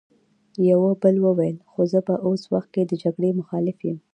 يوه بل وويل: خو زه په اوس وخت کې د جګړې مخالف يم!